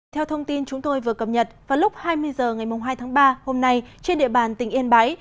theo thông tin chúng tôi vừa cập nhật vào lúc hai mươi h ngày hai tháng ba hôm nay trên địa bàn tỉnh yên bái